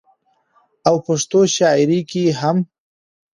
او پښتو شاعرۍ کې هم